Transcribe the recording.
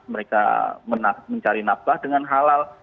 mereka mencari nafkah dengan halal